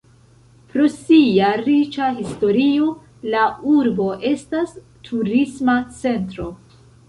Pro sia riĉa historio, la Urbo estas turisma centro.